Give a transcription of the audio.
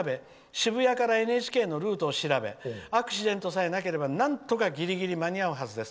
渋谷からＮＨＫのルートを調べアクシデントさえなければなんとかギリギリ間に合うはずです。